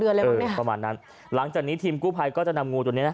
๐๒เดือนแล้วอย่างงี้นะพระมันนั้นหลังจากนี้ทีมกู้พัยก็จะนำงูตรงนี้